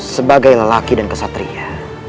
sebagai lelaki dan kesatria